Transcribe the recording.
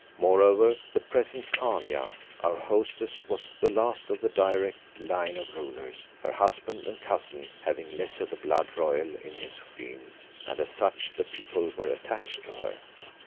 Moreover, the present Khania, our hostess, was the last of the direct line of rulers, her husband and cousin having less of the blood royal in his veins, and as such the people were attached to her.